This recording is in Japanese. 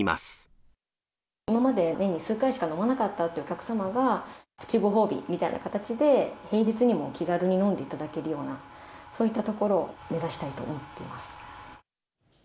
今まで年に数回しか飲まなかったというお客様が、プチご褒美みたいな形で、平日にも気軽に飲んでいただけるような、そういったところを目指したいと思っています。